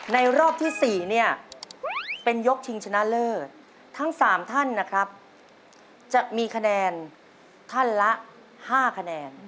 รอบที่๔เนี่ยเป็นยกชิงชนะเลิศทั้ง๓ท่านนะครับจะมีคะแนนท่านละ๕คะแนน